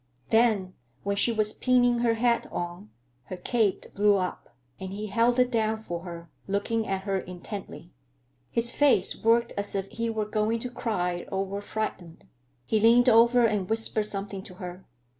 Then, while she was pinning her hat on, her cape blew up, and he held it down for her, looking at her intently. His face worked as if he were going to cry or were frightened. He leaned over and whispered something to her.